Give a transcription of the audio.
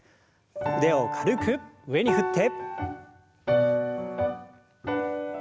腕を軽く上に振って。